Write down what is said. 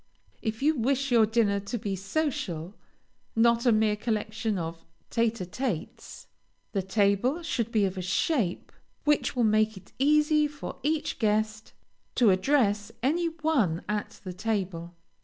If you wish your dinner to be social not a mere collection of tête à têtes the table should be of a shape which will make it easy for each guest to address any one at the table.